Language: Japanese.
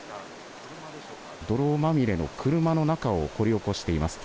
泥まみれの車の中を掘り起こしています。